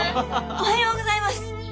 おはようございます。